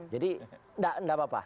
jadi nggak apa apa